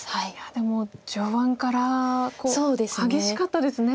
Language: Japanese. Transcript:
でも序盤から激しかったですね。